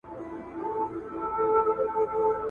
او ټول ژوند د نارینه په توسولو سره له هغه څخه